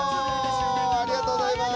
ありがとうございます。